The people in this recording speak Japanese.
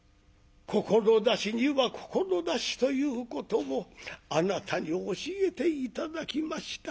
志には志ということもあなたに教えて頂きました。